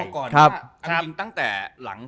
ต้องลองก่อนว่าจริงตั้งแต่หลัง